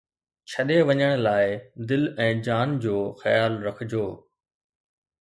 ڇڏي وڃڻ لاءِ دل ۽ جان جو خيال رکجو